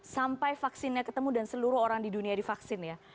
sampai vaksinnya ketemu dan seluruh orang di dunia divaksin ya